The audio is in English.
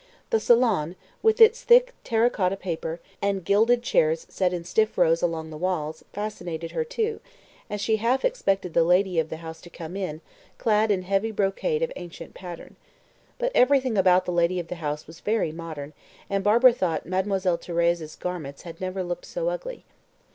The salon, with its thick terra cotta paper, and gilded chairs set in stiff rows along the walls, fascinated her too, and she half expected the lady of the house to come in, clad in heavy brocade of ancient pattern. But everything about the lady of the house was very modern, and Barbara thought Mademoiselle Thérèse's garments had never looked so ugly.